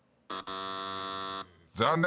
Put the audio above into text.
残念。